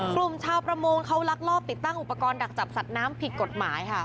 กลุ่มชาวประมงเขาลักลอบติดตั้งอุปกรณ์ดักจับสัตว์น้ำผิดกฎหมายค่ะ